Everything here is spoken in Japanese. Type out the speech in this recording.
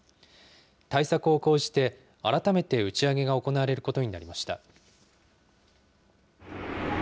対策を講じて、改めて打ち上げが行われることになりました。